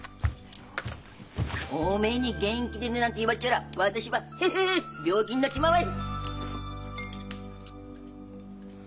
おめえに「元気でね」なんて言わっちゃら私はヘヘッ病気になっちまうわい！